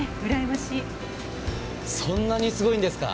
そんなにすごいんですか？